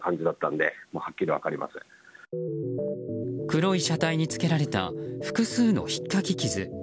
黒い車体につけられた複数のひっかき傷。